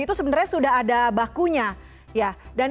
itu sebenarnya sudah ada bakunya ya dan